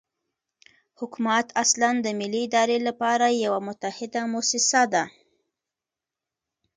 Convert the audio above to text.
حکومت اصلاً د ملي ادارې لپاره یوه متحده موسسه ده.